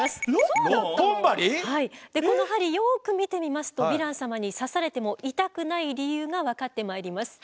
この針よく見てみますとヴィラン様に刺されても痛くない理由が分かってまいります。